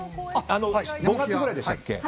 ５月くらいでしたっけ？